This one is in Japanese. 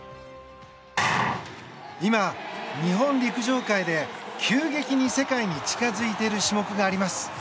今、日本陸上界で急激に世界に近づいている種目があります。